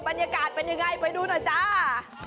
บรรยากาศเป็นยังไงไปดูหน่อยจ้า